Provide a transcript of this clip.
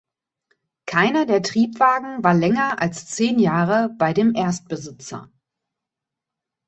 Keiner der Triebwagen war länger als zehn Jahre bei dem Erstbesitzer.